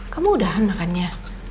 kamu udahan makannya